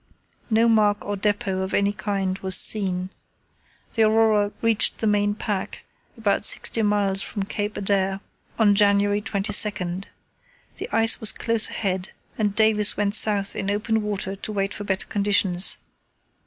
No mark or depot of any kind was seen. The Aurora reached the main pack, about sixty miles from Cape Adare, on January 22. The ice was closed ahead, and Davis went south in open water to wait for better conditions.